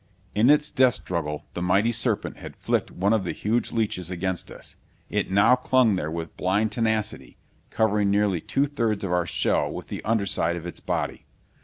In its death struggle the mighty serpent had flicked one of the huge leeches against us. It now clung there with blind tenacity, covering nearly two thirds of our shell with the underside of its body.